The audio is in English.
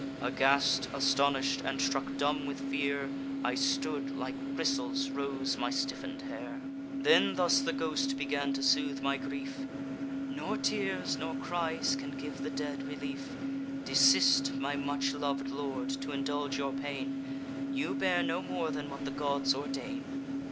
Aghast, astonish'd, and struck dumb with fear, I stood; like bristles rose my stiffen'd hair. Then thus the ghost began to soothe my grief 'Nor tears, nor cries, can give the dead relief. Desist, my much lov'd lord, t' indulge your pain; You bear no more than what the gods ordain.